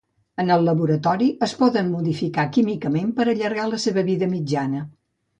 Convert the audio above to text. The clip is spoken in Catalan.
En el laboratori, es poden modificar químicament per allargar la seva vida mitjana.